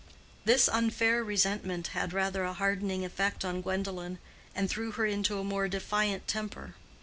This unfair resentment had rather a hardening effect on Gwendolen, and threw her into a more defiant temper.